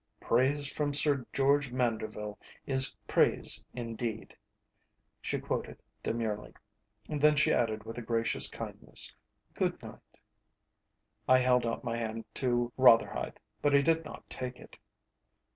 "Praise from Sir George Manderville is praise indeed," she quoted demurely. Then she added with gracious kindness "Good night." I held out my hand to Rotherhithe, but he did not take it.